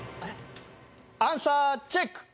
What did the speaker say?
アンサーチェック！